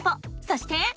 そして。